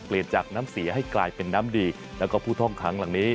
จากน้ำเสียให้กลายเป็นน้ำดีแล้วก็ผู้ท่องค้างหลังนี้